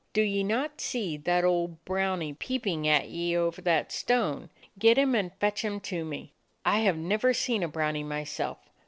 Do ye not see that old brownie peeping at ye over that stone? Get him and fetch him to me. I have never seen a brownie myself.